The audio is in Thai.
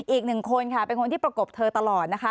อีกหนึ่งคนค่ะเป็นคนที่ประกบเธอตลอดนะคะ